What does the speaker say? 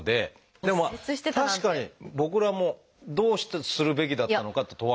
でも確かに僕らもどうするべきだったのかって問われると。